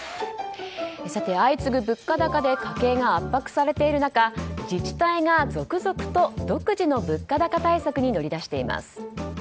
相次ぐ物価高で家計が圧迫されている中自治体が続々と独自の物価高対策に乗り出しています。